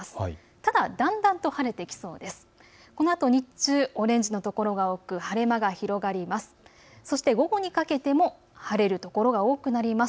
ただだんだんと晴れてきそうです。